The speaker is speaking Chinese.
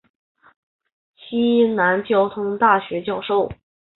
西南交通大学教授。